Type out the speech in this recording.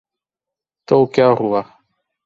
تو کیا ہوا۔